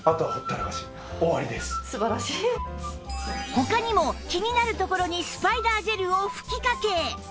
他にも気になる所にスパイダージェルを吹きかけ